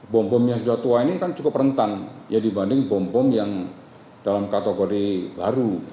bom bom yang sudah tua ini kan cukup rentan ya dibanding bom bom yang dalam kategori baru